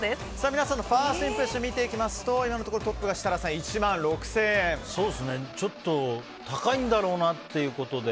皆さんのファーストインプレッション見ていきますと今のところトップが設楽さんのちょっと高いんだろうなということで。